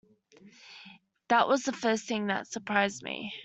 That was the first thing that surprised me.